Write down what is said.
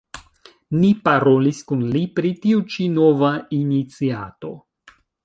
Ni parolis kun li pri tiu ĉi nova iniciato.